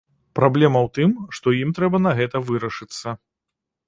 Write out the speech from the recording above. Праблема ў тым, што ім трэба на гэта вырашыцца.